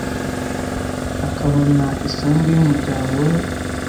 akabona isambu y umuryango we